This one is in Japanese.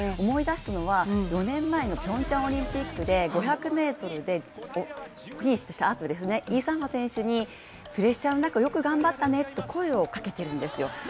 思い出すのは５年前のピョンチャンオリンピックで５００ｍでイ・サンファ選手にプレッシャーの中、よく頑張ったねと声をかけてるんですよ